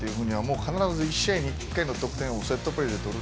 必ず１試合に１回の得点をセットプレーで取る。